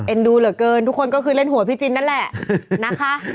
ดูเหลือเกินทุกคนก็คือเล่นหัวพี่จินนั่นแหละนะคะ